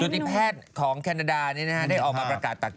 จุธิแพทย์ของแคนาดาได้ขอประกาศ